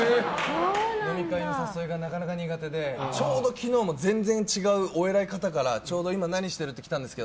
飲み会の誘いがなかなか苦手でちょうど昨日も全然違う偉い方からちょうど今、何してる？って来たんですけど